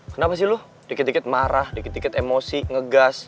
kenapa sih lu dikit dikit marah dikit dikit emosi ngegas